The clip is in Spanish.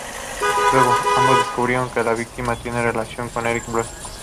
Luego, ambos descubren que las víctimas tienen relación con Erich Blunt.